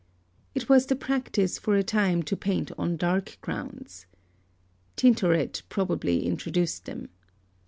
It was the practice for a time to paint on dark grounds. Tintoret probably introduced them.